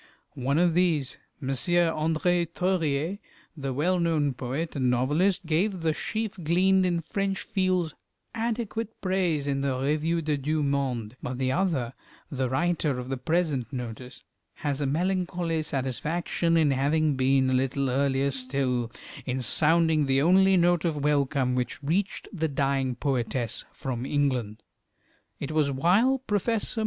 One of these, M. André Theuriet, the well known poet and novelist, gave the "Sheaf gleaned in French Fields" adequate praise in the "Revue des Deux Mondes;" but the other, the writer of the present notice, has a melancholy satisfaction in having been a little earlier still in sounding the only note of welcome which reached the dying poetess from England. It was while Professor W.